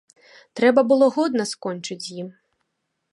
Трэба было годна скончыць з ім.